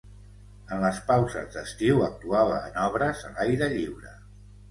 En les pauses d'estiu actuava en obres a l'aire lliure.